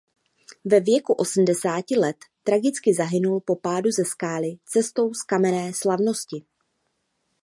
Ve věku osmdesáti let tragicky zahynul po pádu ze skály cestou z kmenové slavnosti.